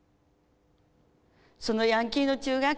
そのヤンキーの中学生